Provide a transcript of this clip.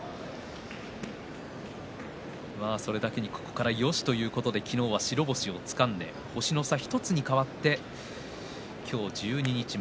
それだけによしということで昨日は白星をつかんで星の差１つに変わって今日は十二日目。